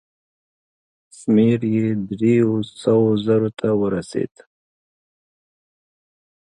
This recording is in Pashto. شمېر یې دریو سوو زرو ته ورسېد.